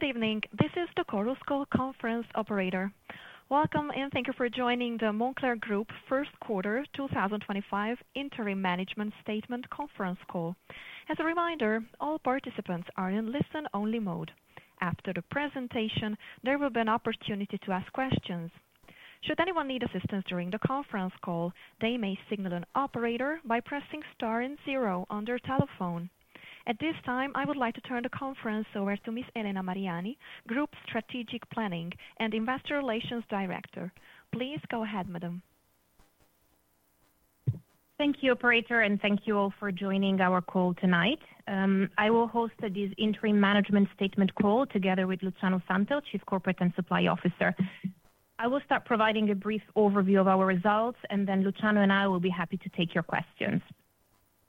Good evening. This is the Chorus Call conference operator. Welcome, and thank you for joining the Moncler Group First Quarter 2025 Interim Management Statement Conference Call. As a reminder, all participants are in listen-only mode. After the presentation, there will be an opportunity to ask questions. Should anyone need assistance during the conference call, they may signal an operator by pressing star and zero on their telephone. At this time, I would like to turn the conference over to Ms. Elena Mariani, Group Strategic Planning and Investor Relations Director. Please go ahead, madam. Thank you, operator, and thank you all for joining our call tonight. I will host this Interim Management Statement Call together with Luciano Santel, Chief Corporate and Supply Officer. I will start providing a brief overview of our results, and then Luciano and I will be happy to take your questions.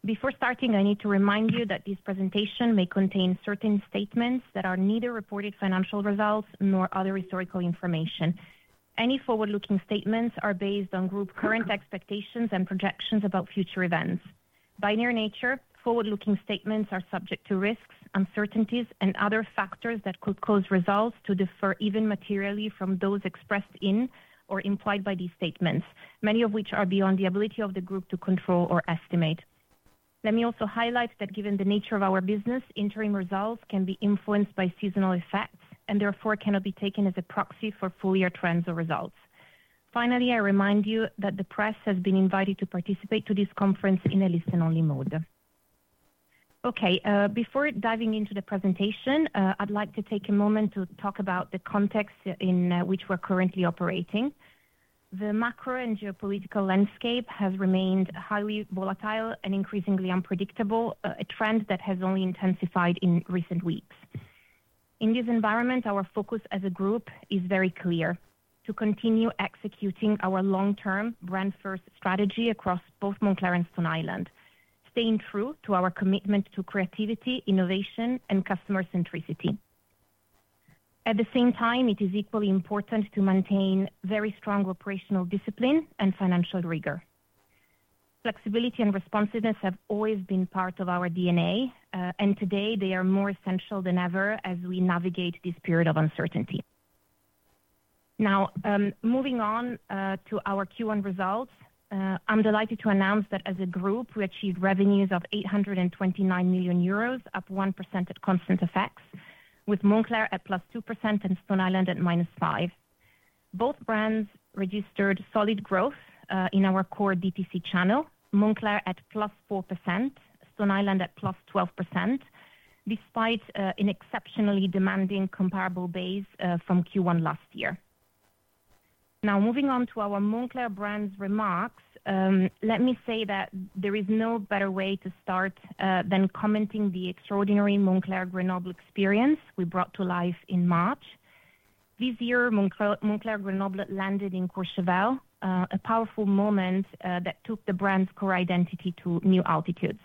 Before starting, I need to remind you that this presentation may contain certain statements that are neither reported financial results nor other historical information. Any forward-looking statements are based on Group current expectations and projections about future events. By their nature, forward-looking statements are subject to risks, uncertainties, and other factors that could cause results to differ even materially from those expressed in or implied by these statements, many of which are beyond the ability of the Group to control or estimate. Let me also highlight that given the nature of our business, interim results can be influenced by seasonal effects and therefore cannot be taken as a proxy for full-year trends or results. Finally, I remind you that the press has been invited to participate in this conference in a listen-only mode. Okay, before diving into the presentation, I'd like to take a moment to talk about the context in which we're currently operating. The macro and geopolitical landscape has remained highly volatile and increasingly unpredictable, a trend that has only intensified in recent weeks. In this environment, our focus as a Group is very clear: to continue executing our long-term brand-first strategy across both Moncler and Stone Island, staying true to our commitment to creativity, innovation, and customer centricity. At the same time, it is equally important to maintain very strong operational discipline and financial rigor. Flexibility and responsiveness have always been part of our DNA, and today they are more essential than ever as we navigate this period of uncertainty. Now, moving on to our Q1 results, I'm delighted to announce that as a Group, we achieved revenues of 829 million euros, up 1% at constant effects, with Moncler at +2% and Stone Island at -5%. Both brands registered solid growth in our core DTC channel: Moncler at +4%, Stone Island at +12%, despite an exceptionally demanding comparable base from Q1 last year. Now, moving on to our Moncler brand's remarks, let me say that there is no better way to start than commenting on the extraordinary Moncler Grenoble experience we brought to life in March. This year, Moncler Grenoble landed in Courchevel, a powerful moment that took the brand's core identity to new altitudes.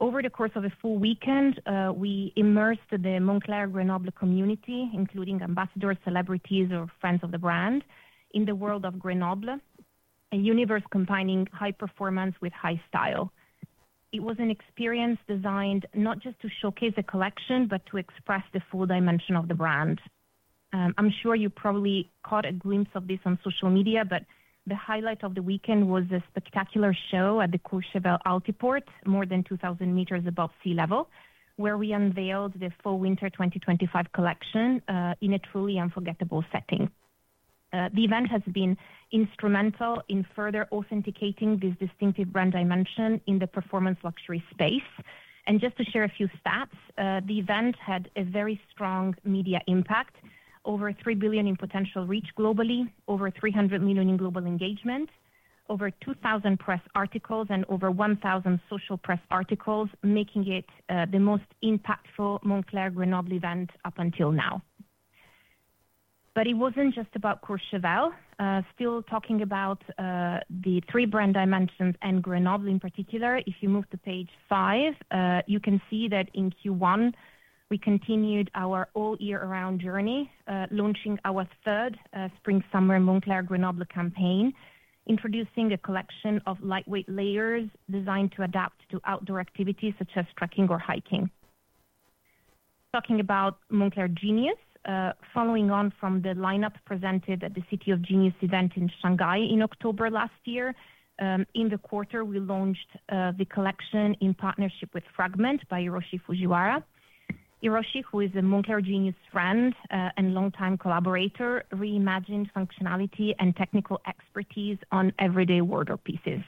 Over the course of a full weekend, we immersed the Moncler Grenoble community, including ambassadors, celebrities, or friends of the brand, in the world of Grenoble, a universe combining high performance with high style. It was an experience designed not just to showcase a collection, but to express the full dimension of the brand. I'm sure you probably caught a glimpse of this on social media, but the highlight of the weekend was a spectacular show at the Courchevel Altiport, more than 2,000 m above sea level, where we unveiled the Fall/Winter 2025 collection in a truly unforgettable setting. The event has been instrumental in further authenticating this distinctive brand dimension in the performance luxury space. Just to share a few stats, the event had a very strong media impact: over 3 billion in potential reach globally, over 300 million in global engagement, over 2,000 press articles, and over 1,000 social press articles, making it the most impactful Moncler Grenoble event up until now. It was not just about Courchevel. Still talking about the three brand dimensions and Grenoble in particular, if you move to page five, you can see that in Q1, we continued our all-year-round journey, launching our third spring/summer Moncler Grenoble campaign, introducing a collection of lightweight layers designed to adapt to outdoor activities such as trekking or hiking. Talking about Moncler Genius, following on from the lineup presented at the City of Genius event in Shanghai in October last year, in the quarter, we launched the collection in partnership with Fragment by Hiroshi Fujiwara. Hiroshi, who is a Moncler Genius friend and longtime collaborator, reimagined functionality and technical expertise on everyday workpieces.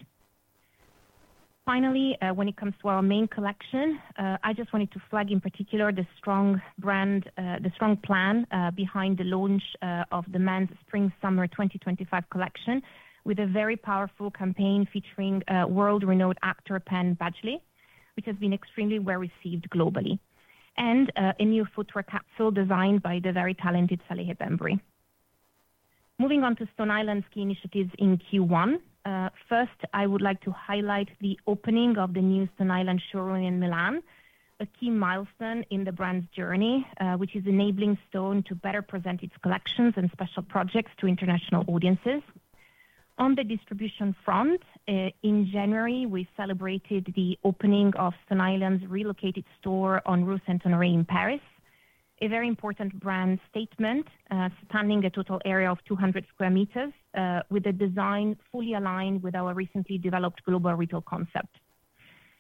Finally, when it comes to our main collection, I just wanted to flag in particular the strong brand, the strong plan behind the launch of the men's Spring/Summer 2025 collection with a very powerful campaign featuring world-renowned actor Penn Badgley, which has been extremely well received globally, and a new footwear capsule designed by the very talented Salehe Bembury. Moving on to Stone Island's key initiatives in Q1, first, I would like to highlight the opening of the new Stone Island showroom in Milan, a key milestone in the brand's journey, which is an enabling stone to better present its collections and special projects to international audiences. On the distribution front, in January, we celebrated the opening of Stone Island's relocated store on Rue Saint-Honoré in Paris, a very important brand statement spanning a total area of 200 sq m with a design fully aligned with our recently developed global retail concept.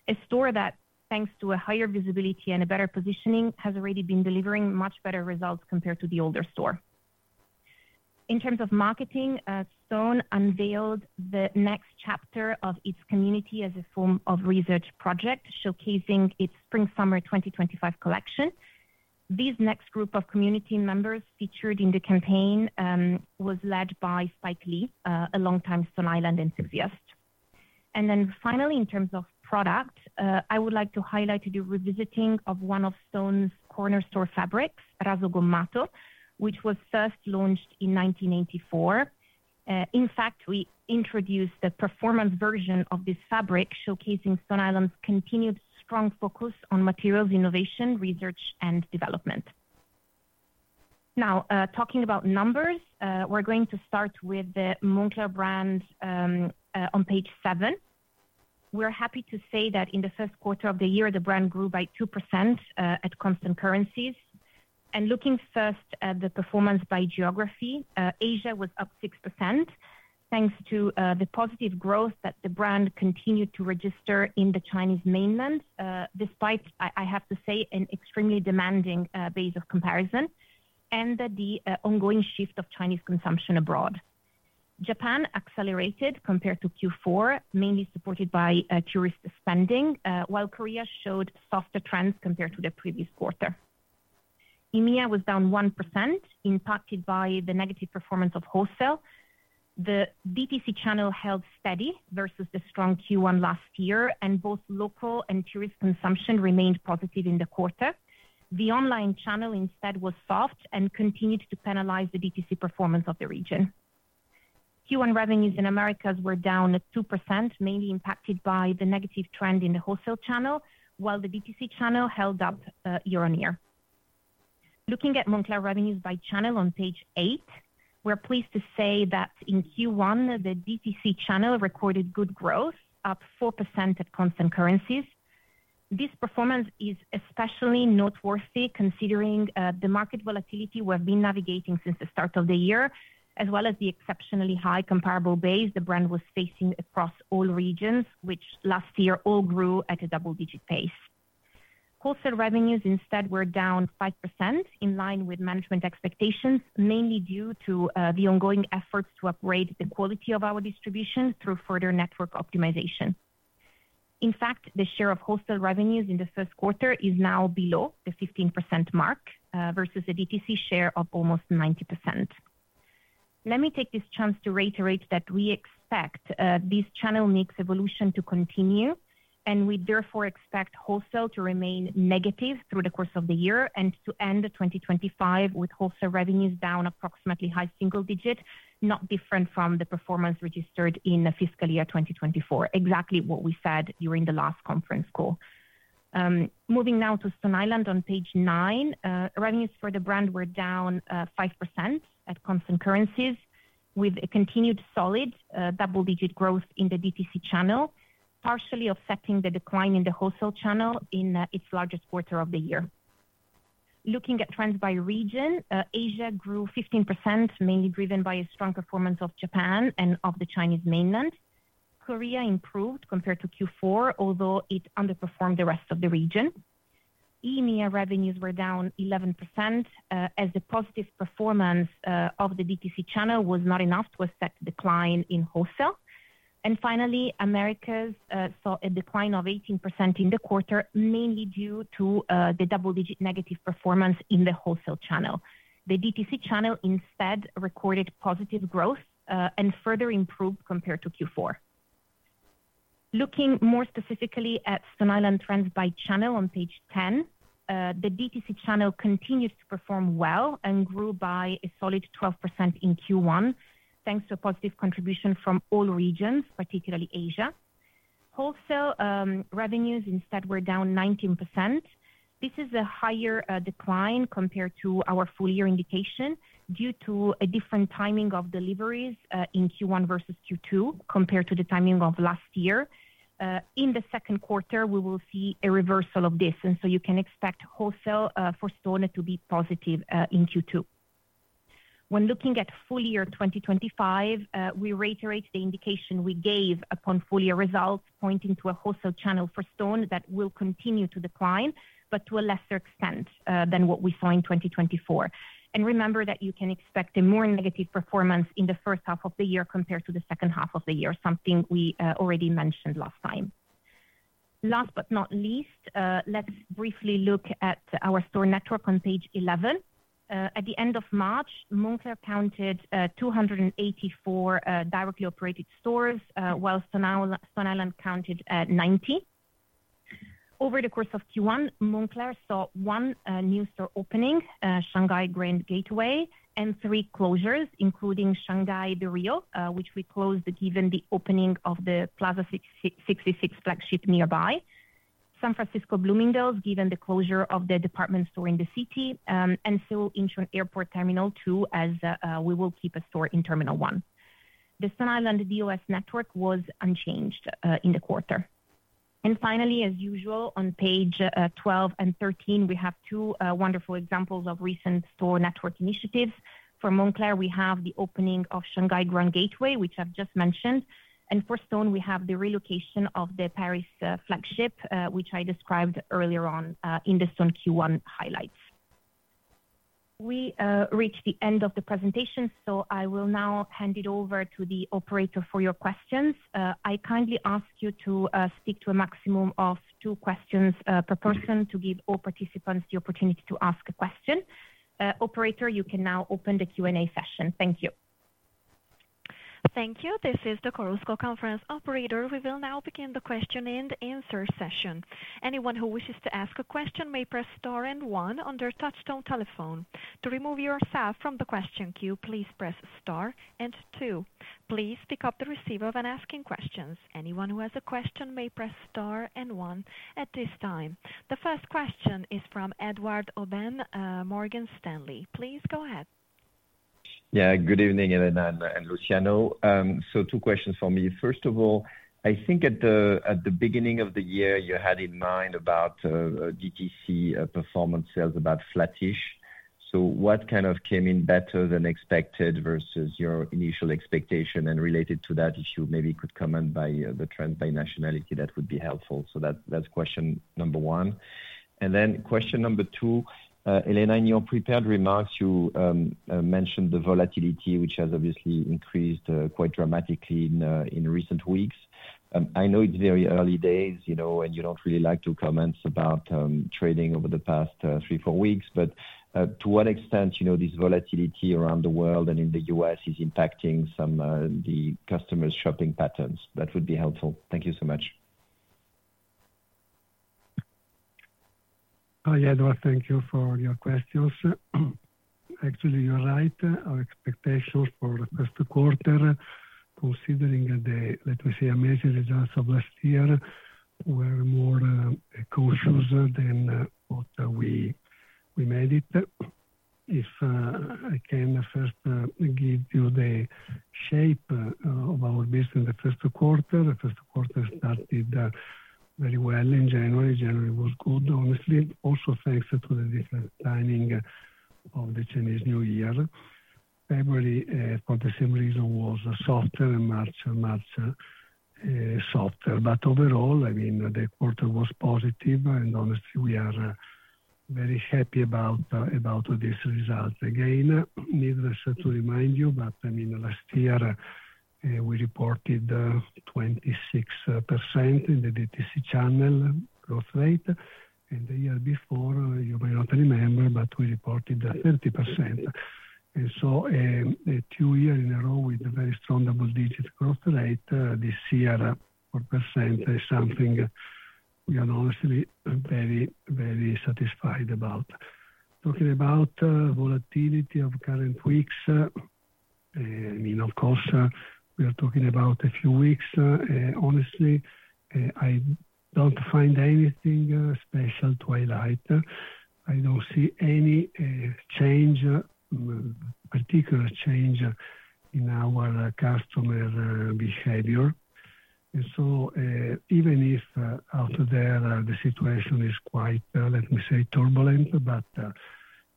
A store that, thanks to higher visibility and better positioning, has already been delivering much better results compared to the older store. In terms of marketing, Stone unveiled the next chapter of its community as a form of research project showcasing its Spring/Summer 2025 collection. This next group of community members featured in the campaign was led by Spike Lee, a longtime Stone Island enthusiast. Finally, in terms of product, I would like to highlight the revisiting of one of Stone's cornerstone fabrics, Raso Gommato, which was first launched in 1984. In fact, we introduced a performance version of this fabric showcasing Stone Island's continued strong focus on materials innovation, research, and development. Now, talking about numbers, we're going to start with the Moncler brand on page seven. We're happy to say that in the first quarter of the year, the brand grew by 2% at constant currencies. Looking first at the performance by geography, Asia was up 6% thanks to the positive growth that the brand continued to register in the Chinese mainland, despite, I have to say, an extremely demanding base of comparison and the ongoing shift of Chinese consumption abroad. Japan accelerated compared to Q4, mainly supported by tourist spending, while Korea showed softer trends compared to the previous quarter. EMEA was down 1%, impacted by the negative performance of wholesale. The DTC channel held steady versus the strong Q1 last year, and both local and tourist consumption remained positive in the quarter. The online channel, instead, was soft and continued to penalize the DTC performance of the region. Q1 revenues in the Americas were down 2%, mainly impacted by the negative trend in the wholesale channel, while the DTC channel held up year on year. Looking at Moncler revenues by channel on page eight, we're pleased to say that in Q1, the DTC channel recorded good growth, up 4% at constant currencies. This performance is especially noteworthy considering the market volatility we've been navigating since the start of the year, as well as the exceptionally high comparable base the brand was facing across all regions, which last year all grew at a double-digit pace. Wholesale revenues, instead, were down 5% in line with management expectations, mainly due to the ongoing efforts to upgrade the quality of our distribution through further network optimization. In fact, the share of wholesale revenues in the first quarter is now below the 15% mark versus a DTC share of almost 90%. Let me take this chance to reiterate that we expect this channel mix evolution to continue, and we therefore expect wholesale to remain negative through the course of the year and to end 2025 with wholesale revenues down approximately a high single digit, not different from the performance registered in fiscal year 2024, exactly what we said during the last conference call. Moving now to Stone Island, on page nine, revenues for the brand were down 5% at constant currencies, with a continued solid double-digit growth in the DTC channel, partially offsetting the decline in the wholesale channel in its largest quarter of the year. Looking at trends by region, Asia grew 15%, mainly driven by a strong performance of Japan and of the Chinese mainland. Korea improved compared to Q4, although it underperformed the rest of the region. EMEA revenues were down 11% as the positive performance of the DTC channel was not enough to affect the decline in wholesale. Finally, Americas saw a decline of 18% in the quarter, mainly due to the double-digit negative performance in the wholesale channel. The DTC channel, instead, recorded positive growth and further improved compared to Q4. Looking more specifically at Stone Island trends by channel on page ten, the DTC channel continued to perform well and grew by a solid 12% in Q1, thanks to a positive contribution from all regions, particularly Asia. Wholesale revenues, instead, were down 19%. This is a higher decline compared to our full-year indication due to a different timing of deliveries in Q1 versus Q2 compared to the timing of last year. In the second quarter, we will see a reversal of this, and so you can expect wholesale for Stone to be positive in Q2. When looking at full-year 2025, we reiterate the indication we gave upon full-year results pointing to a wholesale channel for Stone that will continue to decline, but to a lesser extent than what we saw in 2024. You can expect a more negative performance in the first half of the year compared to the second half of the year, something we already mentioned last time. Last but not least, let's briefly look at our store network on page 11. At the end of March, Moncler counted 284 directly operated stores, while Stone Island counted 90. Over the course of Q1, Moncler saw one new store opening, Shanghai Grand Gateway, and three closures, including Shanghai Berrio, which we closed given the opening of the Plaza 66 flagship nearby, San Francisco Bloomingdale's given the closure of the department store in the city, and Seoul Incheon Airport Terminal 2 as we will keep a store in Terminal 1. The Stone Island DOS network was unchanged in the quarter. Finally, as usual, on page 12 and 13, we have two wonderful examples of recent store network initiatives. For Moncler, we have the opening of Shanghai Grand Gateway, which I've just mentioned, and for Stone, we have the relocation of the Paris flagship, which I described earlier on in the Stone Q1 highlights. We reach the end of the presentation, so I will now hand it over to the operator for your questions. I kindly ask you to stick to a maximum of two questions per person to give all participants the opportunity to ask a question. Operator, you can now open the Q&A session. Thank you. Thank you. This is the Chorus Call Conference Operator. We will now begin the question and answer session. Anyone who wishes to ask a question may press star and one on their touchstone telephone. To remove yourself from the question queue, please press star and two. Please pick up the receiver if asking a question. Anyone who has a question may press star and one at this time. The first question is from Edouard Aubin Morgan Stanley. Please go ahead. Yeah, good evening, Elena and Luciano. Two questions for me. First of all, I think at the beginning of the year, you had in mind about DTC performance sales, about flattish. What kind of came in better than expected versus your initial expectation? Related to that, if you maybe could comment by the trend by nationality, that would be helpful. That is question number one. Question number two, Elena, in your prepared remarks, you mentioned the volatility, which has obviously increased quite dramatically in recent weeks. I know it's very early days, and you don't really like to comment about trading over the past three, four weeks, but to what extent this volatility around the world and in the U.S. is impacting some of the customers' shopping patterns? That would be helpful. Thank you so much. Oh, yeah, no, thank you for your questions. Actually, you're right. Our expectations for the first quarter, considering the, let me say, amazing results of last year, were more cautious than what we made it. If I can first give you the shape of our business in the first quarter, the first quarter started very well in January. January was good, honestly. Also, thanks to the different timing of the Chinese New Year, February for the same reason was softer, and March softer. Overall, I mean, the quarter was positive, and honestly, we are very happy about these results. Again, needless to remind you, but I mean, last year, we reported 26% in the DTC channel growth rate, and the year before, you may not remember, but we reported 30%. Two years in a row with a very strong double-digit growth rate, this year, 4% is something we are honestly very, very satisfied about. Talking about volatility of current weeks, I mean, of course, we are talking about a few weeks. Honestly, I don't find anything special to highlight. I don't see any change, particular change in our customer behavior. Even if out there, the situation is quite, let me say, turbulent,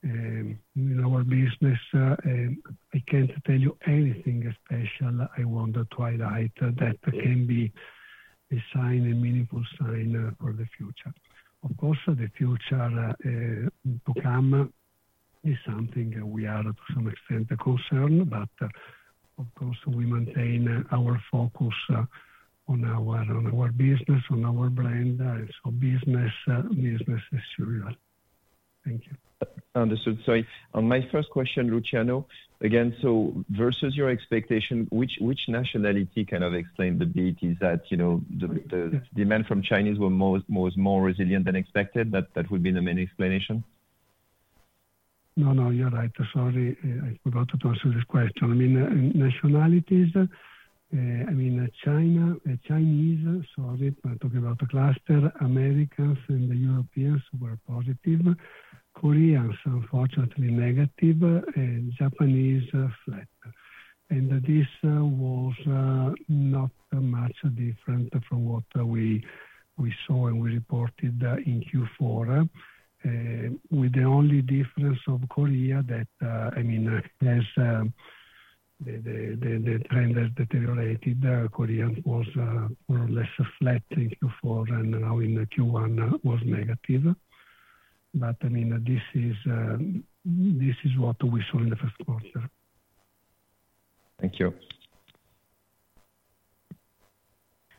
in our business, I can't tell you anything special I want to highlight that can be a meaningful sign for the future. Of course, the future to come is something we are to some extent concerned, but of course, we maintain our focus on our business, on our brand, and so business as usual. Thank you. Understood. Sorry. On my first question, Luciano, again, so versus your expectation, which nationality kind of explained the beat? Is that the demand from Chinese was more resilient than expected? That would be the main explanation. No, no, you're right. Sorry, I forgot to answer this question. I mean, nationalities, I mean, Chinese, sorry, talking about the cluster, Americans and the Europeans were positive. Koreans, unfortunately, negative, and Japanese flat. This was not much different from what we saw and we reported in Q4, with the only difference of Korea that, I mean, as the trend has deteriorated, Korea was more or less flat in Q4, and now in Q1 was negative. I mean, this is what we saw in the first quarter. Thank you.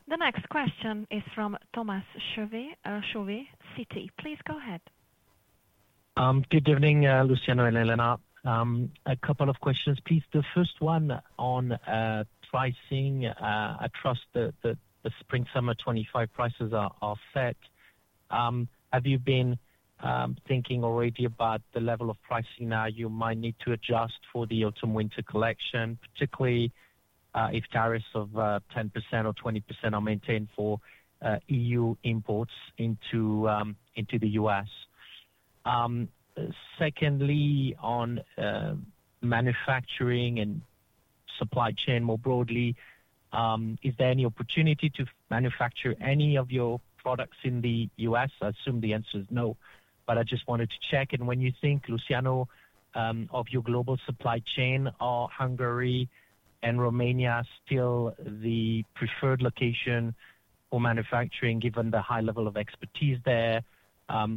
The next question is from Thomas Chauvet, CT. Please go ahead. Good evening, Luciano and Elena. A couple of questions, please. The first one on pricing. I trust the spring-summer 2025 prices are set. Have you been thinking already about the level of pricing now you might need to adjust for the autumn-winter collection, particularly if tariffs of 10% or 20% are maintained for EU imports into the U.S.? Secondly, on manufacturing and supply chain more broadly, is there any opportunity to manufacture any of your products in the U.S.? I assume the answer is no, but I just wanted to check. When you think, Luciano, of your global supply chain, are Hungary and Romania still the preferred location for manufacturing given the high level of expertise there,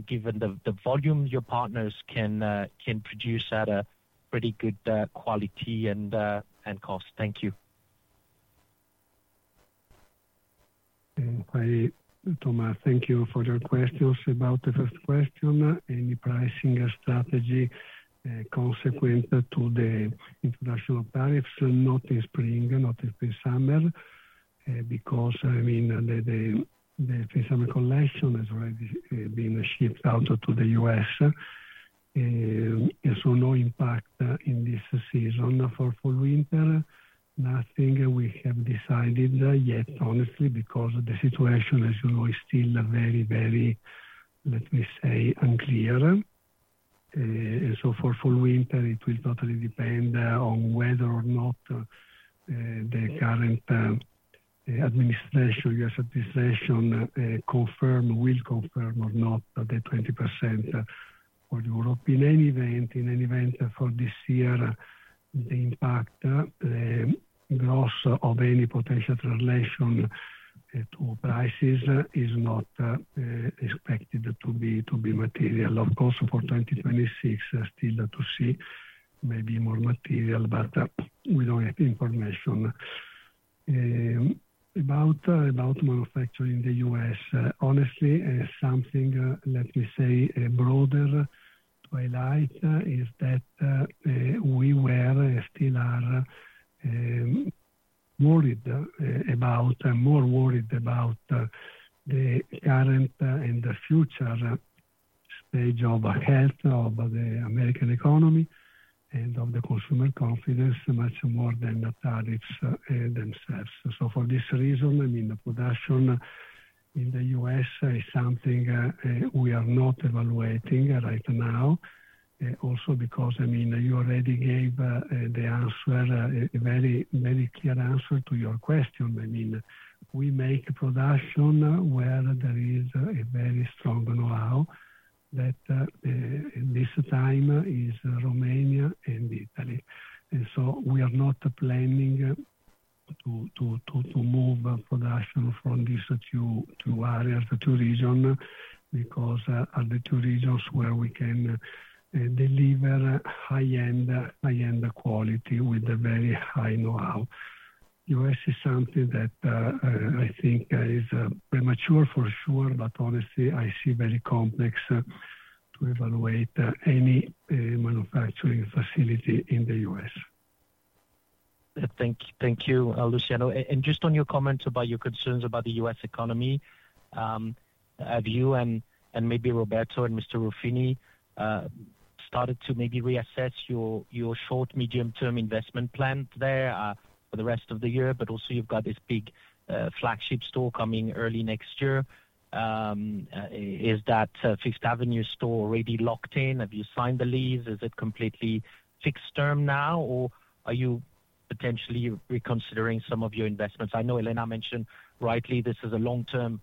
given the volume your partners can produce at a pretty good quality and cost? Thank you. Thomas, thank you for your questions about the first question. Any pricing strategy consequent to the international tariffs, not in spring, not in spring-summer, because I mean, the spring-summer collection has already been shipped out to the U.S., and so no impact in this season for fall-winter. Nothing we have decided yet, honestly, because the situation, as you know, is still very, very, let me say, unclear. For fall-winter, it will totally depend on whether or not the current administration, US administration, will confirm or not the 20% for Europe. In any event, in any event for this year, the impact gross of any potential translation to prices is not expected to be material. Of course, for 2026, still to see maybe more material, but we do not have information about manufacturing in the U.S. Honestly, something, let me say, broader to highlight is that we were still worried about, more worried about the current and the future stage of health of the American economy and of the consumer confidence much more than the tariffs themselves. For this reason, I mean, the production in the U.S. is something we are not evaluating right now, also because, I mean, you already gave the answer, a very, very clear answer to your question. I mean, we make production where there is a very strong know-how that this time is Romania and Italy. We are not planning to move production from these two areas, the two regions, because they are the two regions where we can deliver high-end quality with a very high know-how. U.S. is something that I think is premature for sure, but honestly, I see it as very complex to evaluate any manufacturing facility in the U.S. Thank you, Luciano. Just on your comments about your concerns about the US economy, have you and maybe Roberto and Mr. Ruffini started to maybe reassess your short-medium-term investment plan there for the rest of the year? Also, you have this big flagship store coming early next year. Is that Fifth Avenue store already locked in? Have you signed the lease? Is it completely fixed term now, or are you potentially reconsidering some of your investments? I know Elena mentioned rightly this is a long-term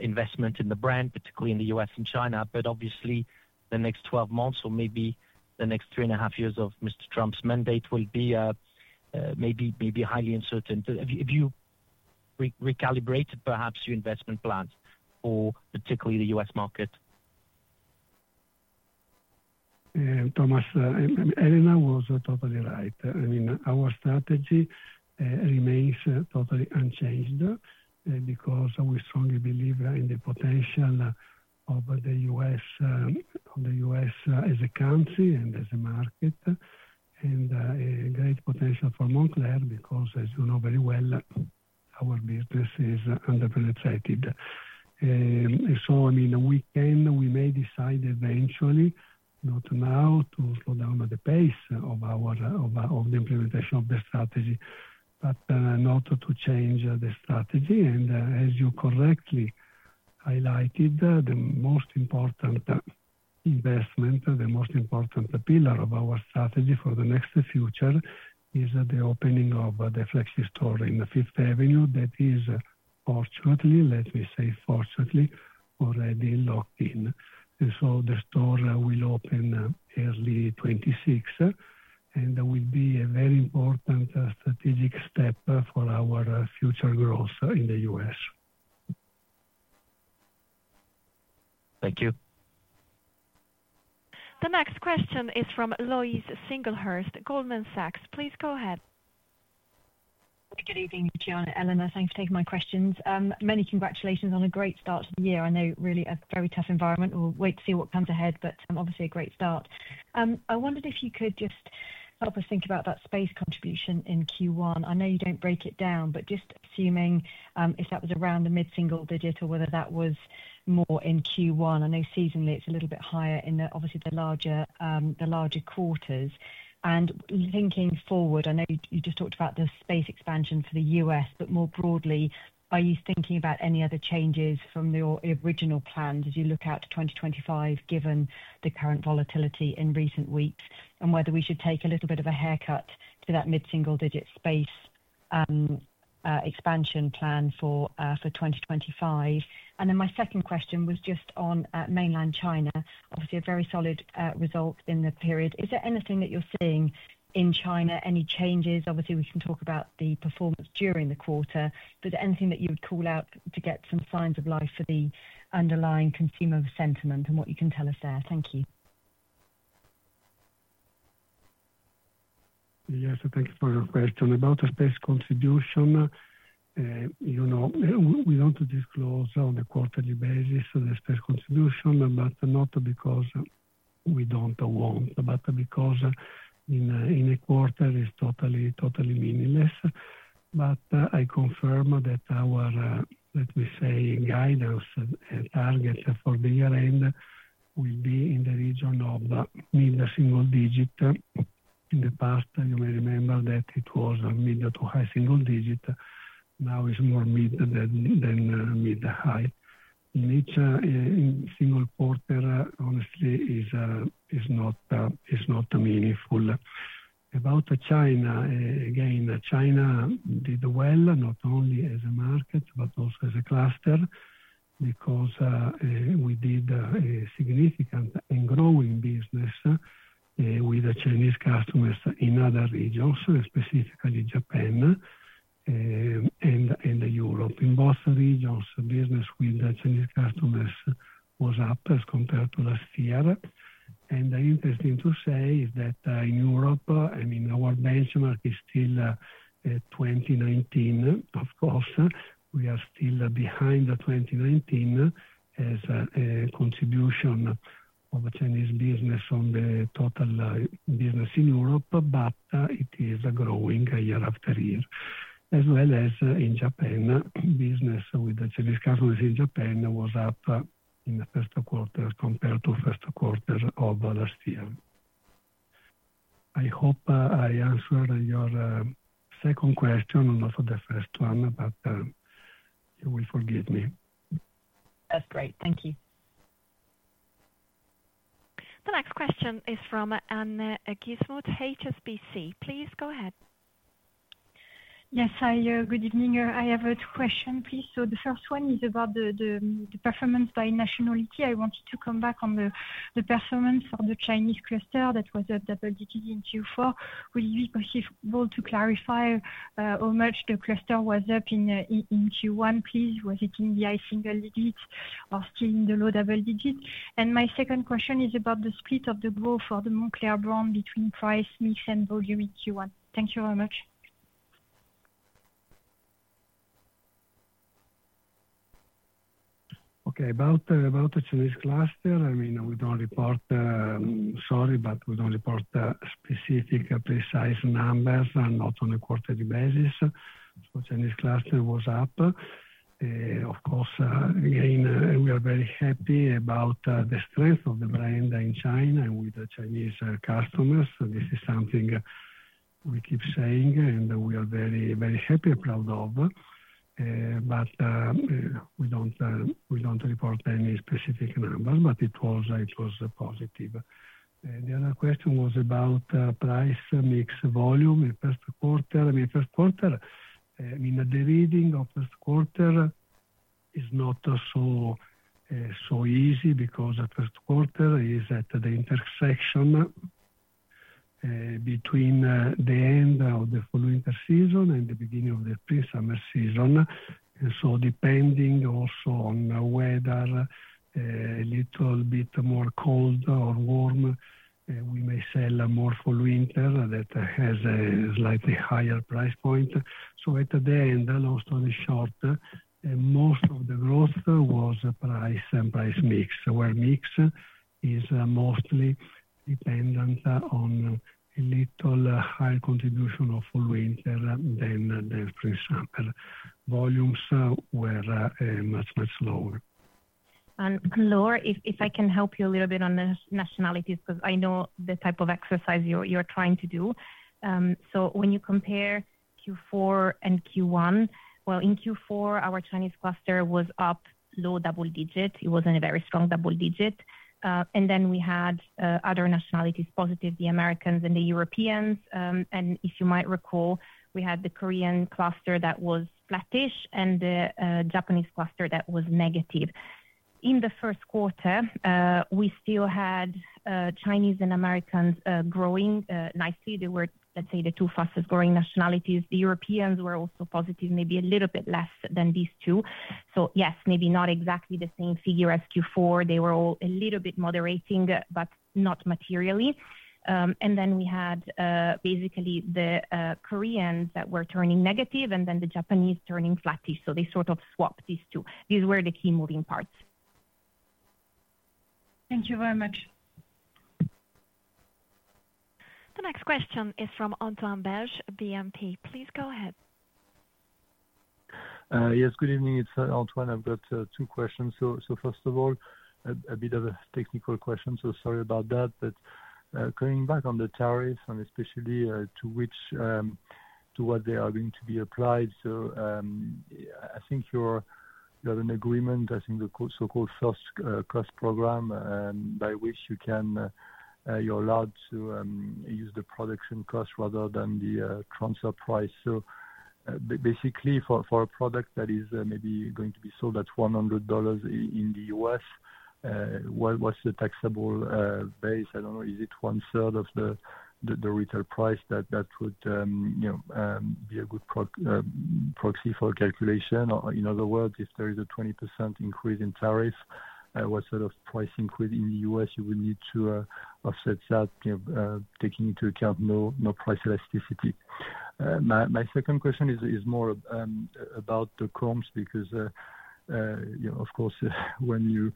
investment in the brand, particularly in the U.S. and China, but obviously the next 12 months or maybe the next three and a half years of Mr. Trump's mandate will be maybe highly uncertain. Have you recalibrated perhaps your investment plans for particularly the U.S. market? Thomas, Elena was totally right. I mean, our strategy remains totally unchanged because we strongly believe in the potential of the U.S. as a country and as a market and great potential for Moncler because, as you know very well, our business is under-prelated. I mean, we may decide eventually, not now, to slow down the pace of the implementation of the strategy, but not to change the strategy. As you correctly highlighted, the most important investment, the most important pillar of our strategy for the next future is the opening of the flagship store in Fifth Avenue that is fortunately, let me say, fortunately already locked in. The store will open early 2026, and there will be a very important strategic step for our future growth in the U.S. Thank you. The next question is from Louise Singlehurst, Goldman Sachs. Please go ahead. Good evening, Luciano and Elena. Thanks for taking my questions. Many congratulations on a great start to the year. I know really a very tough environment. We'll wait to see what comes ahead, but obviously a great start. I wondered if you could just help us think about that space contribution in Q1. I know you don't break it down, but just assuming if that was around the mid-single digit or whether that was more in Q1. I know seasonally it's a little bit higher in obviously the larger quarters. Thinking forward, I know you just talked about the space expansion for the U.S., but more broadly, are you thinking about any other changes from your original plans as you look out to 2025 given the current volatility in recent weeks and whether we should take a little bit of a haircut to that mid-single digit space expansion plan for 2025? My second question was just on mainland China, obviously a very solid result in the period. Is there anything that you're seeing in China, any changes? Obviously, we can talk about the performance during the quarter, but anything that you would call out to get some signs of life for the underlying consumer sentiment and what you can tell us there? Thank you. Yes, thank you for your question. About the space contribution, we do not disclose on a quarterly basis the space contribution, not because we do not want to, but because in a quarter it is totally meaningless. I confirm that our, let me say, guidance and target for the year-end will be in the region of mid-single digit. In the past, you may remember that it was mid to high single digit. Now it is more mid than mid-high. Mid-single quarter, honestly, is not meaningful. About China, again, China did well, not only as a market, but also as a cluster because we did a significant and growing business with Chinese customers in other regions, specifically Japan and Europe. In both regions, business with Chinese customers was up as compared to last year. Interesting to say is that in Europe, I mean, our benchmark is still 2019. Of course, we are still behind 2019 as a contribution of Chinese business on the total business in Europe, but it is growing year after year, as well as in Japan. Business with Chinese customers in Japan was up in the first quarter compared to the first quarter of last year. I hope I answered your second question, not the first one, but you will forgive me. That's great. Thank you. The next question is from Anne Godbehere, HSBC. Please go ahead. Yes, hi, good evening. I have two questions, please. The first one is about the performance by nationality. I wanted to come back on the performance of the Chinese cluster that was double-digit in Q4. Will you be possible to clarify how much the cluster was up in Q1, please? Was it in the high single digit or still in the low double digit? My second question is about the split of the growth for the Moncler brand between price, mix, and volume in Q1. Thank you very much. Okay. About the Chinese cluster, I mean, we do not report, sorry, but we do not report specific precise numbers and not on a quarterly basis. Chinese cluster was up. Of course, again, we are very happy about the strength of the brand in China and with the Chinese customers. This is something we keep saying and we are very, very happy and proud of. We don't report any specific numbers, but it was positive. The other question was about price, mix, volume in the first quarter. I mean, first quarter, I mean, the reading of first quarter is not so easy because the first quarter is at the intersection between the end of the fall-winter season and the beginning of the spring-summer season. Depending also on whether a little bit more cold or warm, we may sell more fall-winter that has a slightly higher price point. At the end, long story short, most of the growth was price and price mix, where mix is mostly dependent on a little higher contribution of fall-winter than spring-summer. Volumes were much, much lower. Laura, if I can help you a little bit on nationalities, because I know the type of exercise you're trying to do. When you compare Q4 and Q1, in Q4, our Chinese cluster was up low double digit. It wasn't a very strong double digit. We had other nationalities positive, the Americans and the Europeans. If you might recall, we had the Korean cluster that was flattish and the Japanese cluster that was negative. In the first quarter, we still had Chinese and Americans growing nicely. They were, let's say, the two fastest growing nationalities. The Europeans were also positive, maybe a little bit less than these two. Yes, maybe not exactly the same figure as Q4. They were all a little bit moderating, but not materially. Then we had basically the Koreans that were turning negative and the Japanese turning flattish. They sort of swapped these two. These were the key moving parts. Thank you very much. The next question is from Antoine Berger, BNP. Please go ahead. Yes, good evening. It's Antoine. I've got two questions. First of all, a bit of a technical question. Sorry about that. Coming back on the tariffs and especially to what they are going to be applied. I think you have an agreement, the so-called first cost program by which you're allowed to use the production cost rather than the transfer price. Basically, for a product that is maybe going to be sold at $100 in the U.S., what's the taxable base? I don't know. Is it one-third of the retail price that would be a good proxy for calculation? In other words, if there is a 20% increase in tariffs, what sort of price increase in the U.S. you would need to offset that, taking into account no price elasticity? My second question is more about the comps because, of course, when you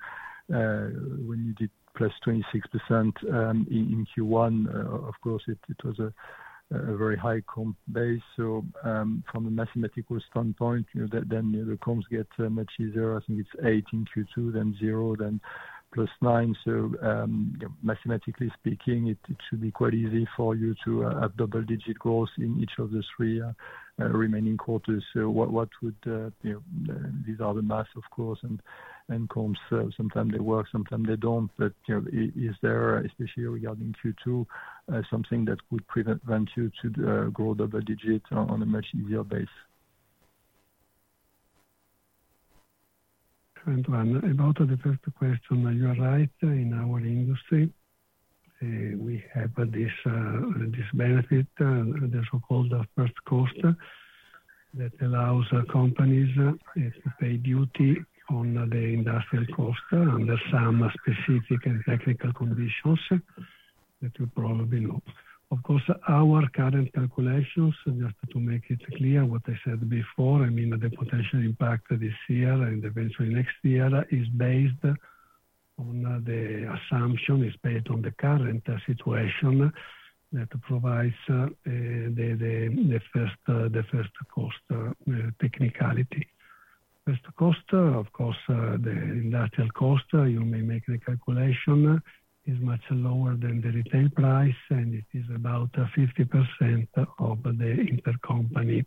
did plus 26% in Q1, of course, it was a very high comp base. From a mathematical standpoint, then the comps get much easier. I think it's 8 in Q2, then 0, then plus 9. Mathematically speaking, it should be quite easy for you to have double-digit growth in each of the three remaining quarters. These are the maths, of course, and comps. Sometimes they work, sometimes they don't. Is there, especially regarding Q2, something that would prevent you to grow double-digit on a much easier base? About the first question, you're right. In our industry, we have this benefit, the so-called first cost, that allows companies to pay duty on the industrial cost under some specific and technical conditions that you probably know. Of course, our current calculations, just to make it clear what I said before, I mean, the potential impact this year and eventually next year is based on the assumption, is based on the current situation that provides the first cost technicality. First cost, of course, the industrial cost, you may make the calculation, is much lower than the retail price, and it is about 50% of the intercompany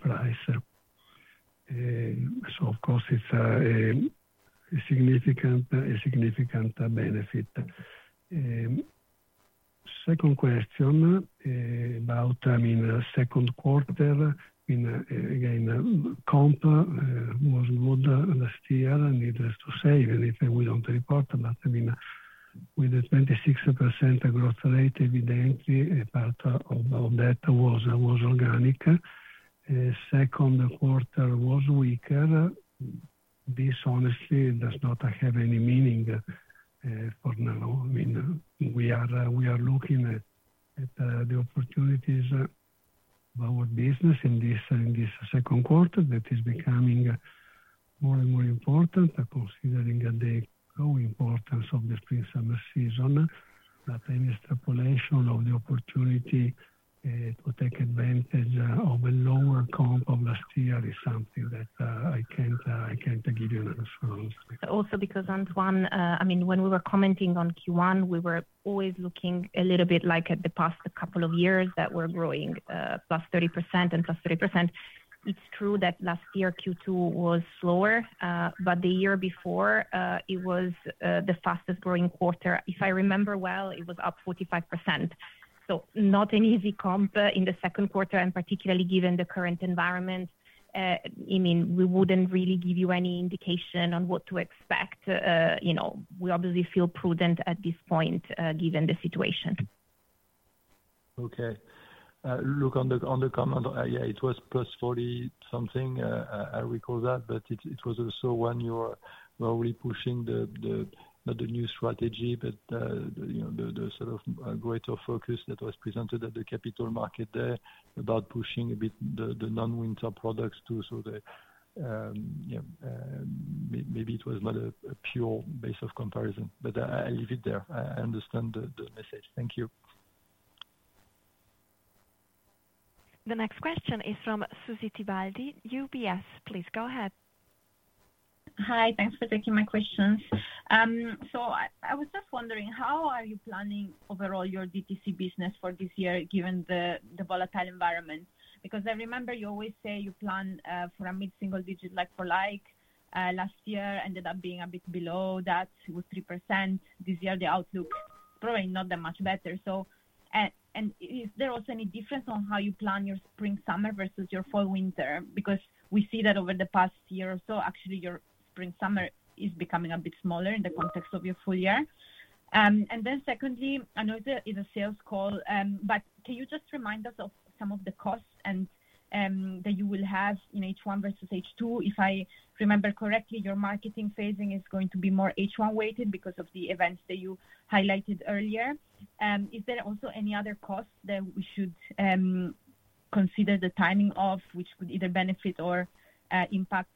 price. So of course, it's a significant benefit. Second question about, I mean, second quarter, again, comp was good last year. Needless to say, we don't report, but I mean, with the 26% growth rate, evidently, part of that was organic. Second quarter was weaker. This, honestly, does not have any meaning for now. I mean, we are looking at the opportunities of our business in this second quarter that is becoming more and more important, considering the growing importance of the spring-summer season. Any stipulation of the opportunity to take advantage of a lower comp of last year is something that I can't give you an answer on. Also because, Antoine, I mean, when we were commenting on Q1, we were always looking a little bit like at the past couple of years that were growing +30% and +30%. It's true that last year Q2 was slower, but the year before, it was the fastest growing quarter. If I remember well, it was up 45%. Not an easy comp in the second quarter, and particularly given the current environment. I mean, we would not really give you any indication on what to expect. We obviously feel prudent at this point given the situation. Okay. Look, on the comment, yeah, it was plus 40 something. I recall that, but it was also when you were probably pushing the not the new strategy, but the sort of greater focus that was presented at the capital market there about pushing a bit the non-winter products too. Maybe it was not a pure base of comparison, but I leave it there. I understand the message. Thank you. The next question is from Susy Tibaldi, UBS. Please go ahead. Hi. Thanks for taking my questions. I was just wondering, how are you planning overall your DTC business for this year given the volatile environment? Because I remember you always say you plan for a mid-single digit like-for-like. Last year ended up being a bit below that with 3%. This year, the outlook is probably not that much better. Is there also any difference on how you plan your spring-summer versus your fall-winter? We see that over the past year or so, actually, your spring-summer is becoming a bit smaller in the context of your full year. Secondly, I know it is a sales call, but can you just remind us of some of the costs that you will have in H1 versus H2? If I remember correctly, your marketing phasing is going to be more H1-weighted because of the events that you highlighted earlier. Is there also any other costs that we should consider the timing of which could either benefit or impact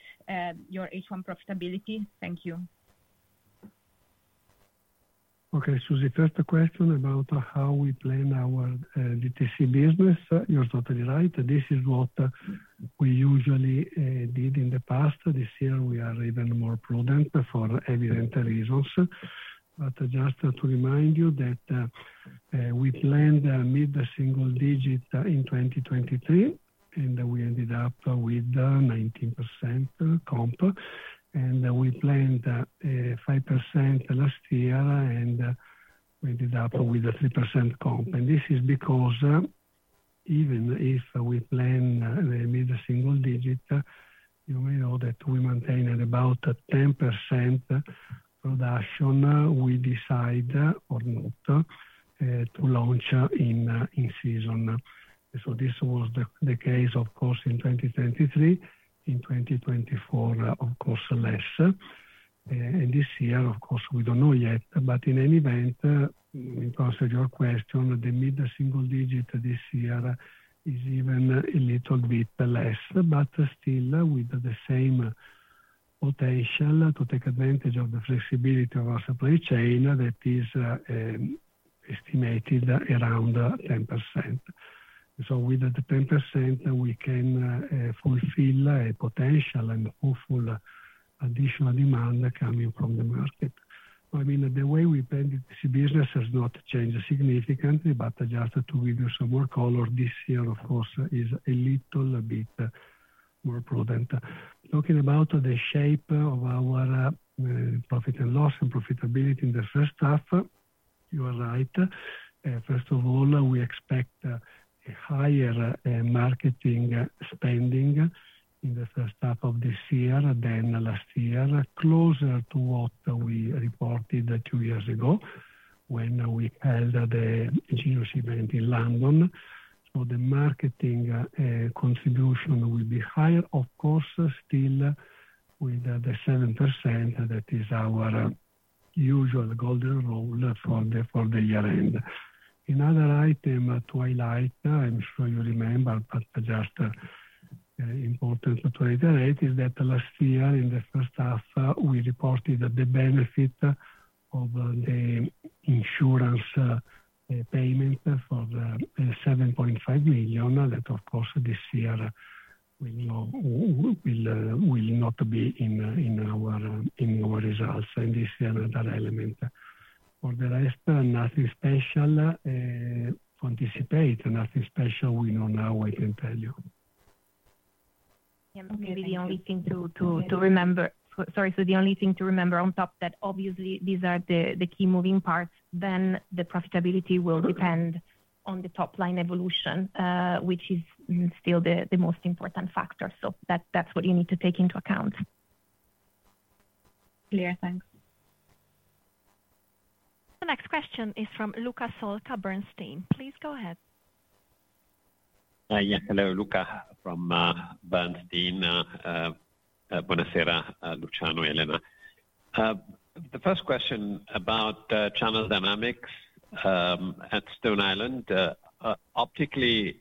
your H1 profitability? Thank you. Okay. Susie, first question about how we plan our DTC business. You're totally right. This is what we usually did in the past. This year, we are even more prudent for evident reasons. Just to remind you that we planned mid-single digit in 2023, and we ended up with 19% comp. We planned 5% last year, and we ended up with a 3% comp. This is because even if we plan mid-single digit, you may know that we maintained about 10% production. We decide or not to launch in season. This was the case, of course, in 2023. In 2024, of course, less. This year, of course, we do not know yet. In any event, in terms of your question, the mid-single digit this year is even a little bit less, but still with the same potential to take advantage of the flexibility of our supply chain that is estimated around 10%. With the 10%, we can fulfill a potential and hopeful additional demand coming from the market. I mean, the way we planned this business has not changed significantly, but just to give you some more color, this year, of course, is a little bit more prudent. Talking about the shape of our profit and loss and profitability in the first half, you are right. First of all, we expect a higher marketing spending in the first half of this year than last year, closer to what we reported two years ago when we held the Genius Event in London. The marketing contribution will be higher, of course, still with the 7% that is our usual golden rule for the year-end. Another item to highlight, I'm sure you remember, but just important to tell you that last year, in the first half, we reported the benefit of the insurance payment for the 7.5 million that, of course, this year will not be in our results. This is another element. For the rest, nothing special. Anticipate nothing special, we know now, I can tell you. Maybe the only thing to remember. Sorry. The only thing to remember on top is that obviously these are the key moving parts, then the profitability will depend on the top-line evolution, which is still the most important factor. That's what you need to take into account. Clear. Thanks. The next question is from Luca Solca Bernstein. Please go ahead. Yes. Hello, Luca from Bernstein. Buonasera, Luciano and Elena. The first question about channel dynamics at Stone Island. Optically,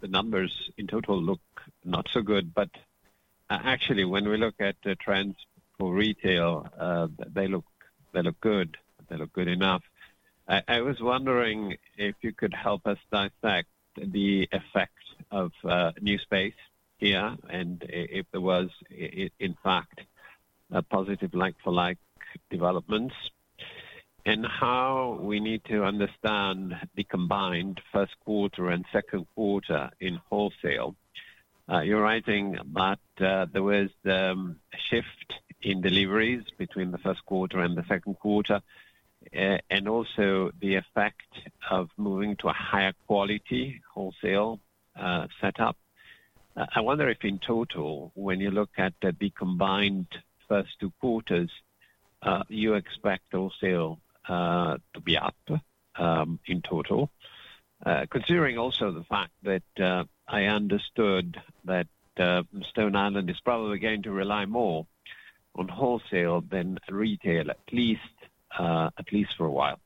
the numbers in total look not so good, but actually, when we look at the trends for retail, they look good. They look good enough. I was wondering if you could help us dissect the effect of new space here and if there was, in fact, a positive like-for-like developments and how we need to understand the combined first quarter and second quarter in wholesale. You're writing about there was the shift in deliveries between the first quarter and the second quarter and also the effect of moving to a higher quality wholesale setup. I wonder if in total, when you look at the combined first two quarters, you expect wholesale to be up in total, considering also the fact that I understood that Stone Island is probably going to rely more on wholesale than retail, at least for a while.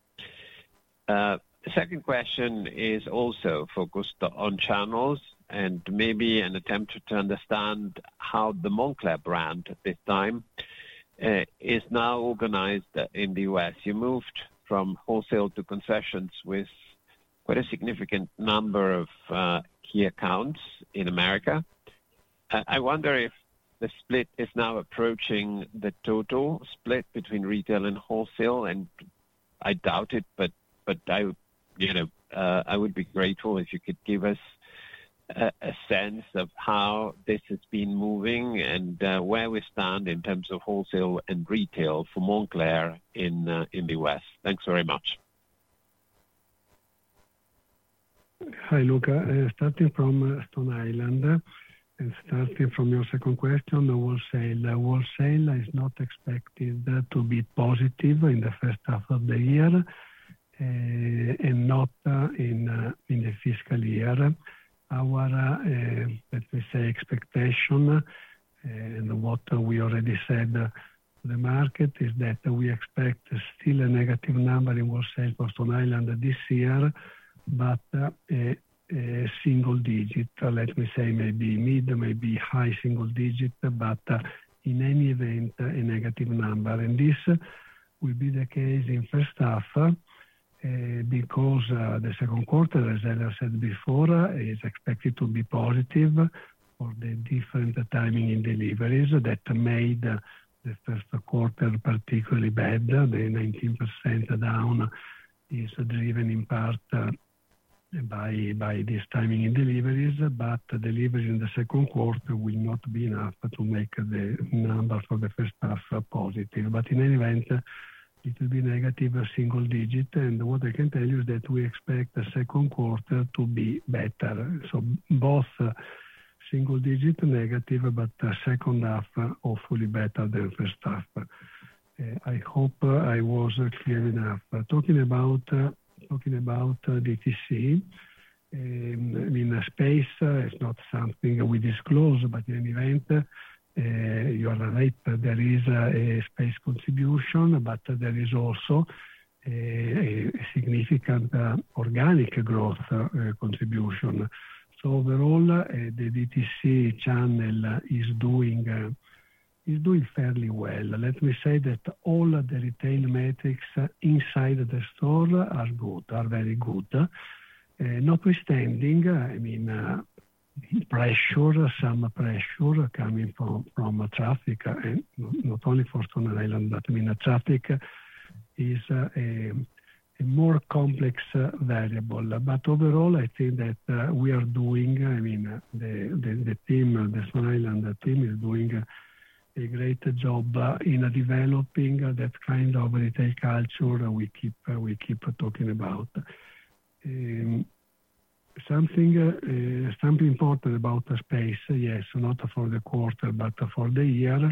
The second question is also focused on channels and maybe an attempt to understand how the Moncler brand at this time is now organized in the U.S. You moved from wholesale to concessions with quite a significant number of key accounts in America. I wonder if the split is now approaching the total split between retail and wholesale. I doubt it, but I would be grateful if you could give us a sense of how this has been moving and where we stand in terms of wholesale and retail for Moncler in the U.S. Thanks very much. Hi, Luca. Starting from Stone Island, starting from your second question, the wholesale is not expected to be positive in the first half of the year and not in the fiscal year. Our, let me say, expectation and what we already said to the market is that we expect still a negative number in wholesale for Stone Island this year, but a single digit, let me say, maybe mid, maybe high single digit, but in any event, a negative number. This will be the case in first half because the second quarter, as Elena said before, is expected to be positive for the different timing in deliveries that made the first quarter particularly bad. The 19% down is driven in part by this timing in deliveries, but deliveries in the second quarter will not be enough to make the number for the first half positive. In any event, it will be negative single digit. What I can tell you is that we expect the second quarter to be better. Both single digit negative, but the second half hopefully better than first half. I hope I was clear enough. Talking about DTC, I mean, space is not something we disclose, but in any event, you are right, there is a space contribution, but there is also a significant organic growth contribution. Overall, the DTC channel is doing fairly well. Let me say that all the retail metrics inside the store are good, are very good. Notwithstanding, I mean, some pressure coming from traffic, not only for Stone Island, but I mean, traffic is a more complex variable. Overall, I think that we are doing, I mean, the Stone Island team is doing a great job in developing that kind of retail culture we keep talking about. Something important about the space, yes, not for the quarter, but for the year,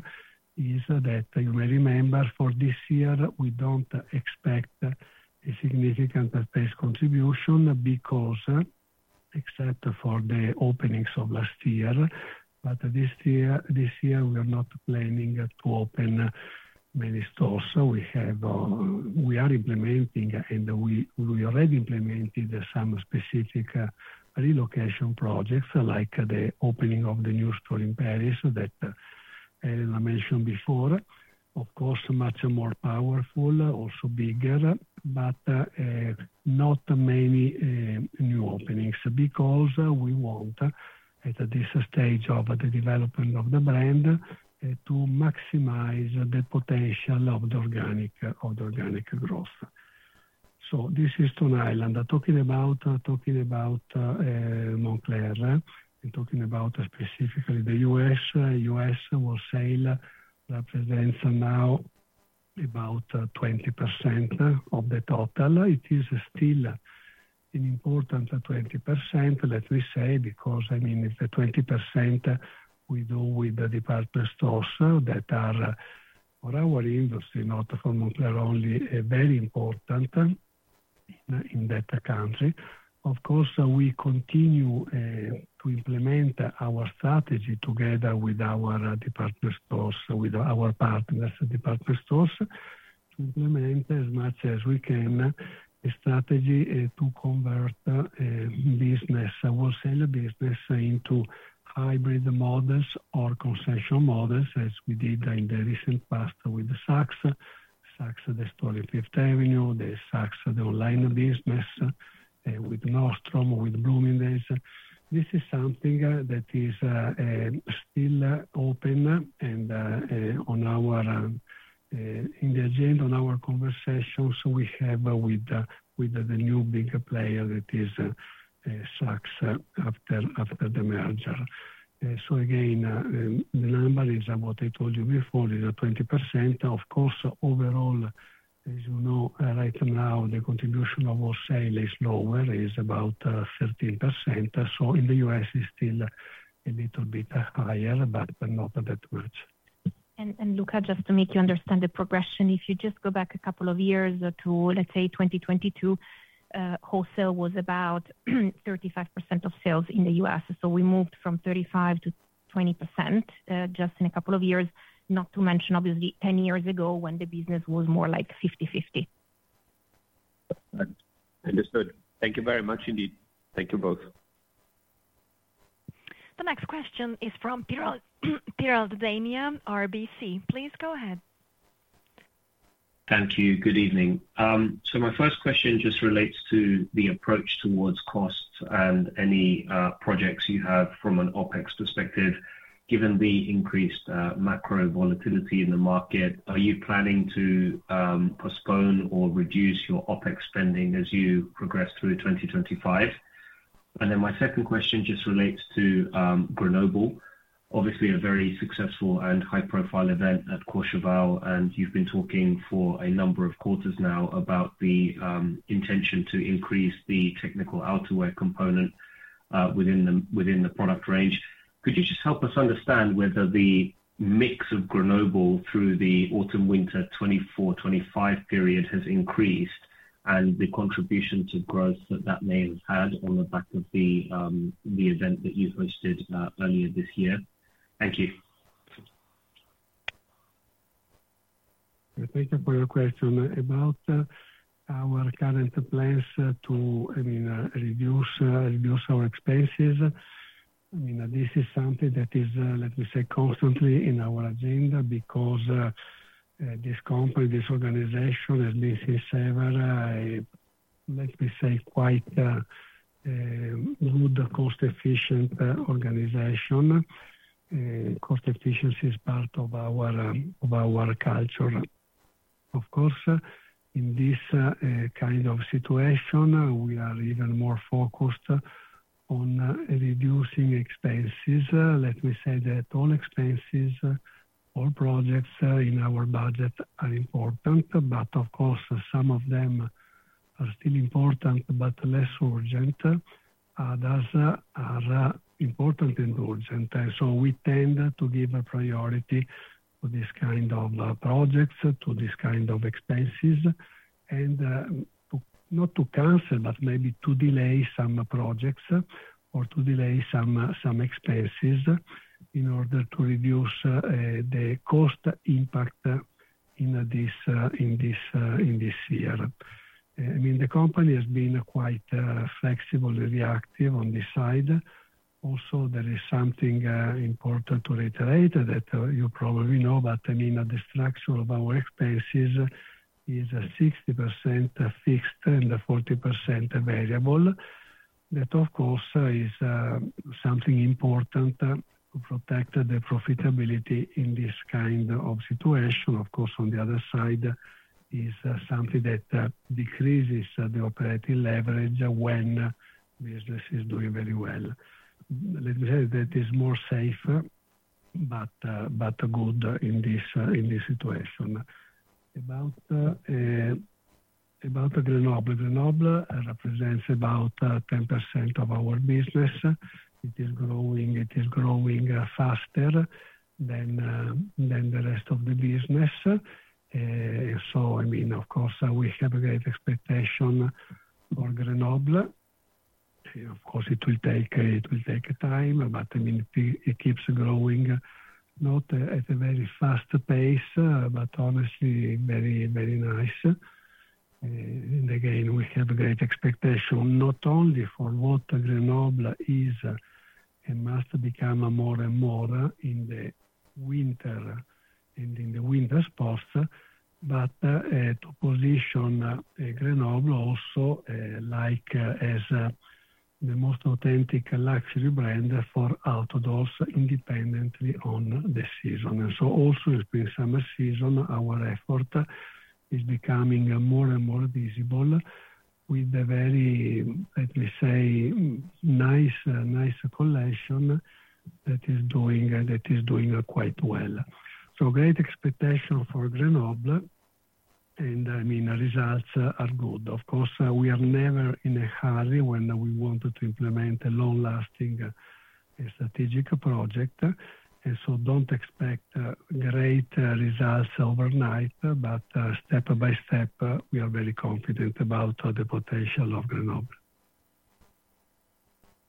is that you may remember for this year, we do not expect a significant space contribution because, except for the openings of last year, but this year, we are not planning to open many stores. We are implementing, and we already implemented some specific relocation projects like the opening of the new store in Paris that Elena mentioned before. Of course, much more powerful, also bigger, but not many new openings because we want, at this stage of the development of the brand, to maximize the potential of the organic growth. This is Stone Island. Talking about Moncler and talking about specifically the U.S., U.S. wholesale represents now about 20% of the total. It is still an important 20%, let me say, because, I mean, it's the 20% we do with department stores that are, for our industry, not for Moncler only, very important in that country. Of course, we continue to implement our strategy together with our department stores, with our partners, department stores, to implement as much as we can a strategy to convert business, wholesale business into hybrid models or concession models as we did in the recent past with Saks, Saks, the Stone & Fifth Avenue, the Saks, the online business with Nordstrom, with Bloomingdale's. This is something that is still open and on our agenda, on our conversations we have with the new big player that is Saks after the merger. Again, the number is what I told you before, is 20%. Of course, overall, as you know, right now, the contribution of wholesale is lower, is about 13%. In the U.S., it's still a little bit higher, but not that much. And Luca, just to make you understand the progression, if you just go back a couple of years to, let's say, 2022, wholesale was about 35% of sales in the U.S. We moved from 35%-20% just in a couple of years, not to mention, obviously, 10 years ago when the business was more like 50/50. Understood. Thank you very much indeed. Thank you both. The next question is from Peter Damianakis, RBC. Please go ahead. Thank you. Good evening. My first question just relates to the approach towards costs and any projects you have from an OPEX perspective. Given the increased macro volatility in the market, are you planning to postpone or reduce your OPEX spending as you progress through 2025? My second question just relates to Grenoble, obviously a very successful and high-profile event at Courchevel, and you've been talking for a number of quarters now about the intention to increase the technical outerwear component within the product range. Could you just help us understand whether the mix of Grenoble through the autumn-winter 2024-2025 period has increased and the contribution to growth that that may have had on the back of the event that you hosted earlier this year? Thank you. Thank you for your question about our current plans to, I mean, reduce our expenses. I mean, this is something that is, let me say, constantly in our agenda because this company, this organization, has been several, let me say, quite good cost-efficient organization. Cost efficiency is part of our culture. Of course, in this kind of situation, we are even more focused on reducing expenses. Let me say that all expenses, all projects in our budget are important, but of course, some of them are still important, but less urgent. Others are important and urgent. We tend to give priority to this kind of projects, to this kind of expenses, and not to cancel, but maybe to delay some projects or to delay some expenses in order to reduce the cost impact in this year. I mean, the company has been quite flexible and reactive on this side. Also, there is something important to reiterate that you probably know, but I mean, the structure of our expenses is 60% fixed and 40% variable. That, of course, is something important to protect the profitability in this kind of situation. Of course, on the other side, it's something that decreases the operating leverage when business is doing very well. Let me say that it's more safe, but good in this situation. About Grenoble, Grenoble represents about 10% of our business. It is growing faster than the rest of the business. I mean, of course, we have a great expectation for Grenoble. It will take time, but I mean, it keeps growing, not at a very fast pace, but honestly, very nice. Again, we have a great expectation, not only for what Grenoble is and must become more and more in the winter and in the winter sports, but to position Grenoble also as the most authentic luxury brand for outdoors independently on the season. Also, it's been summer season. Our effort is becoming more and more visible with a very, let me say, nice collection that is doing quite well. Great expectation for Grenoble, and I mean, results are good. Of course, we are never in a hurry when we want to implement a long-lasting strategic project. Do not expect great results overnight, but step by step, we are very confident about the potential of Grenoble.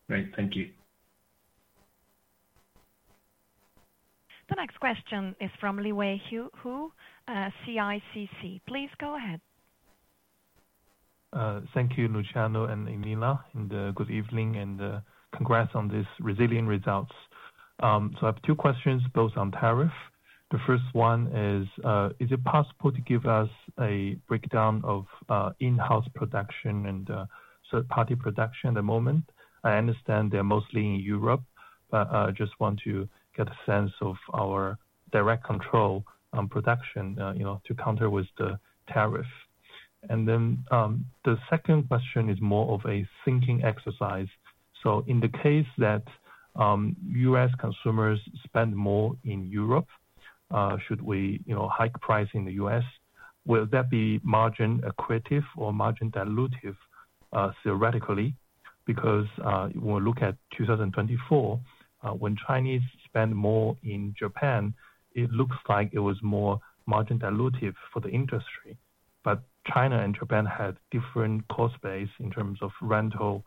Great. Thank you. The next question is from Haiyang Hu, CICC. Please go ahead. Thank you, Luciano and Elena, and good evening, and congrats on these resilient results. I have two questions, both on tariff. The first one is, is it possible to give us a breakdown of in-house production and third-party production at the moment? I understand they're mostly in Europe, but I just want to get a sense of our direct control on production to counter with the tariff. The second question is more of a thinking exercise. In the case that U.S. consumers spend more in Europe, should we hike price in the U.S.? Will that be margin equative or margin dilutive theoretically? Because when we look at 2024, when Chinese spend more in Japan, it looks like it was more margin dilutive for the industry. China and Japan had different cost base in terms of rental.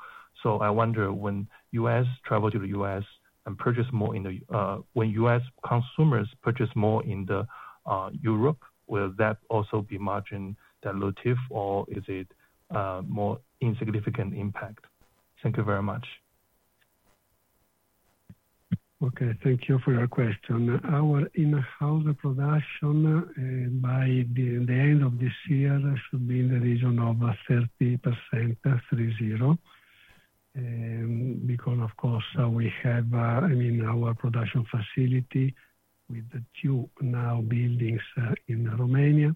I wonder when U.S. travel to the U.S. and purchase more in the, when U.S. consumers purchase more in Europe, will that also be margin dilutive or is it more insignificant impact? Thank you very much. Okay. Thank you for your question. Our in-house production by the end of this year should be in the region of 30%, 3-0, because, of course, we have, I mean, our production facility with two now buildings in Romania.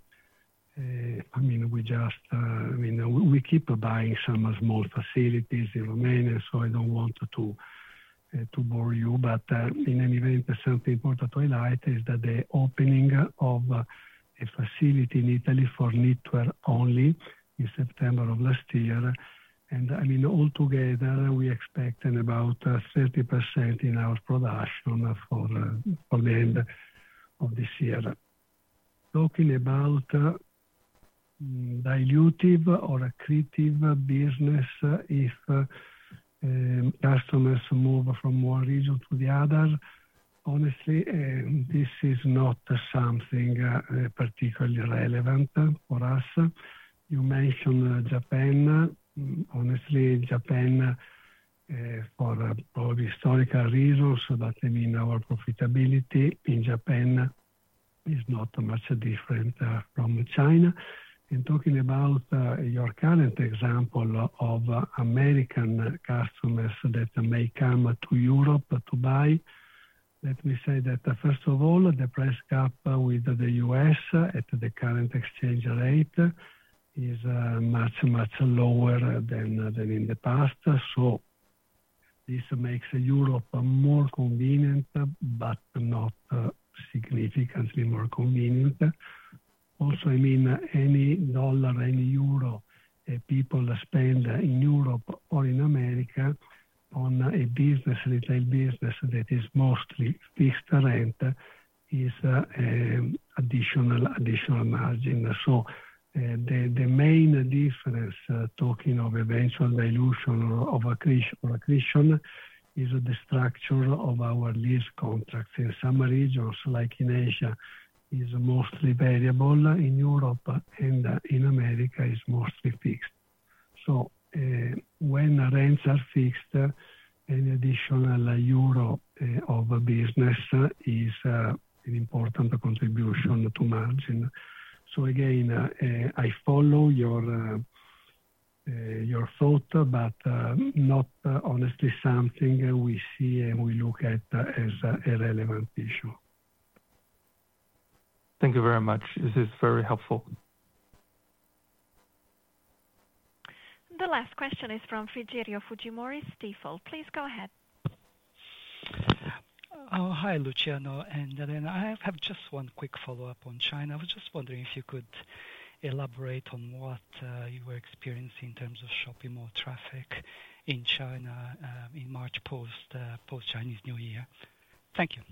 I mean, we just, I mean, we keep buying some small facilities in Romania, so I do not want to bore you. In any event, something important to highlight is the opening of a facility in Italy for knitwear only in September of last year. I mean, altogether, we expect about 30% in our production for the end of this year. Talking about dilutive or accretive business, if customers move from one region to the other, honestly, this is not something particularly relevant for us. You mentioned Japan. Honestly, Japan, for probably historical reasons, but I mean, our profitability in Japan is not much different from China. Talking about your current example of American customers that may come to Europe to buy, let me say that, first of all, the price gap with the U.S. at the current exchange rate is much, much lower than in the past. This makes Europe more convenient, but not significantly more convenient. Also, I mean, any dollar, any euro people spend in Europe or in America on a business, retail business that is mostly fixed rent is additional margin. The main difference, talking of eventual dilution or accretion, is the structure of our lease contracts. In some regions, like in Asia, it is mostly variable. In Europe and in America, it is mostly fixed. When rents are fixed, any additional euro of business is an important contribution to margin. Again, I follow your thought, but not, honestly, something we see and we look at as a relevant issue. Thank you very much. This is very helpful. The last question is from Rogerio Fujimori Steeple. Please go ahead. Hi, Luciano and Elena. I have just one quick follow-up on China. I was just wondering if you could elaborate on what you were experiencing in terms of shopping mall traffic in China in March post-Chinese New Year. Thank you.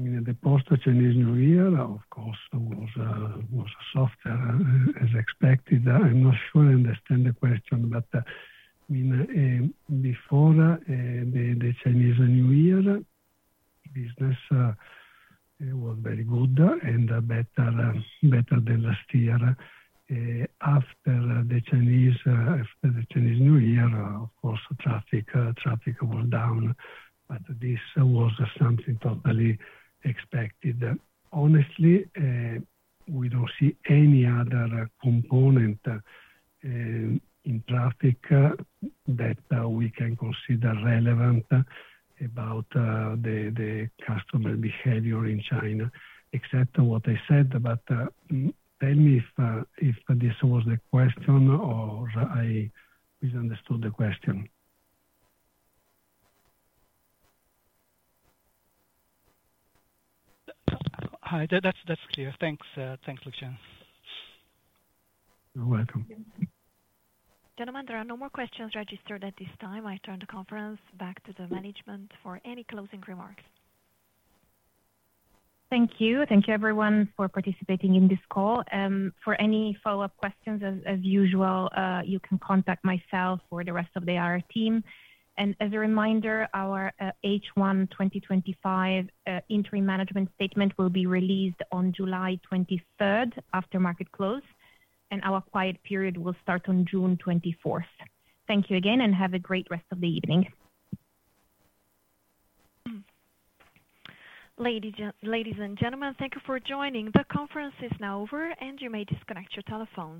I mean, the post-Chinese New Year, of course, was softer as expected. I'm not sure I understand the question, but I mean, before the Chinese New Year, business was very good and better than last year. After the Chinese New Year, of course, traffic was down, but this was something totally expected. Honestly, we do not see any other component in traffic that we can consider relevant about the customer behavior in China, except what I said. Tell me if this was the question or I misunderstood the question. Hi. That is clear. Thanks, Luciano. You are welcome. Gentlemen, there are no more questions registered at this time. I turn the conference back to the management for any closing remarks. Thank you. Thank you, everyone, for participating in this call. For any follow-up questions, as usual, you can contact myself or the rest of the IR team. As a reminder, our H1 2025 interim management statement will be released on July 23rd after market close, and our quiet period will start on June 24th. Thank you again, and have a great rest of the evening. Ladies and gentlemen, thank you for joining. The conference is now over, and you may disconnect your telephone.